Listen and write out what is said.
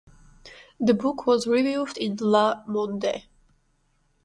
The book was reviewed in "Le Monde".